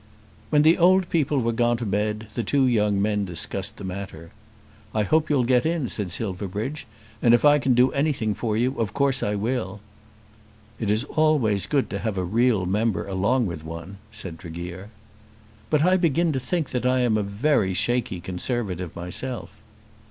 When the old people were gone to bed the two young men discussed the matter. "I hope you'll get in," said Silverbridge. "And if I can do anything for you of course I will." "It is always good to have a real member along with one," said Tregear. "But I begin to think I am a very shaky Conservative myself."